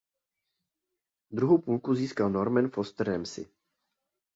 Druhou půlku získal Norman Foster Ramsey.